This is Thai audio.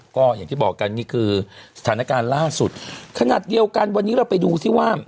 ก็อย่างที่บอกกันนี่คือสถานการณ์ล่าสุดขนาดเดียวกันวันนี้เราไปดูซิว่า